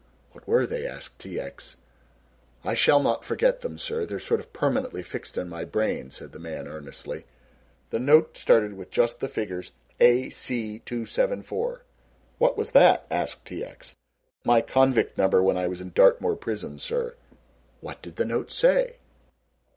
"What were they!" asked T. X. "I shall not forget them, sir. They're sort of permanently fixed in my brain," said the man earnestly; "the note started with just the figures 'A. C. 274.'" "What was that!" asked T. X. "My convict number when I was in Dartmoor Prison, sir." "What did the note say?"